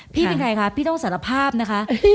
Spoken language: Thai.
พี่เป็นใครคะพี่ต้องสารภาพนะคะ